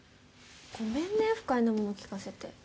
ごめんね不快なもの聞かせて。